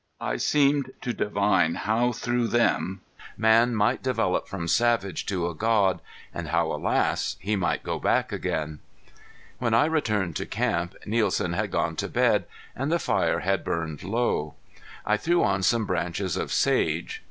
I seemed to divine how through them man might develop from savage to a god, and how alas! he might go back again. When I returned to camp Nielsen had gone to bed and the fire had burned low. I threw on some branches of sage.